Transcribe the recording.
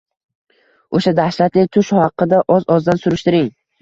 O‘sha dahshatli tush haqida oz-ozdan surishtiring.